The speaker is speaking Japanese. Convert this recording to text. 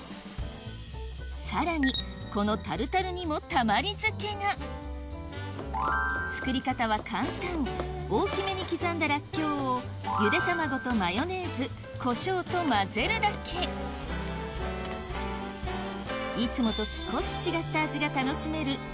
さらにこのタルタルにもたまり漬が作り方は簡単大きめに刻んだらっきょうをゆで卵とマヨネーズコショウと混ぜるだけいつもと少し違った味が楽しめる